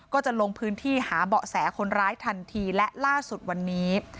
ก็จะลงพื้นที่หาเบาะแสคนร้ายทันทีและล่าสุดวันนี้